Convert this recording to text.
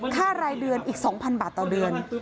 รายเดือนอีก๒๐๐บาทต่อเดือน